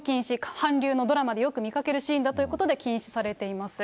韓流のドラマでよく見かけるシーンだということで、禁止されています。